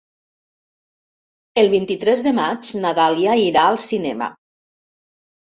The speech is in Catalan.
El vint-i-tres de maig na Dàlia irà al cinema.